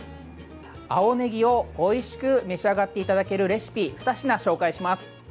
青ねぎをおいしく召し上がっていただけるレシピふた品紹介します。